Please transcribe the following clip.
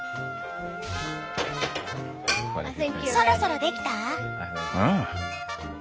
そろそろできた？